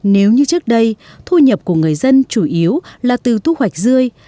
nếu như trước đây thu nhập của người dân chủ yếu là từ thu hoạch dươi